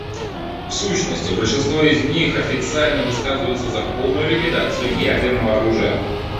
В сущности, большинство из них официально высказываются за полную ликвидацию ядерного оружия.